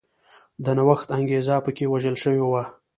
د نوښت انګېزه په کې وژل شوې وه.